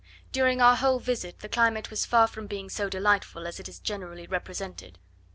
During our whole visit the climate was far from being so delightful, as it is generally represented.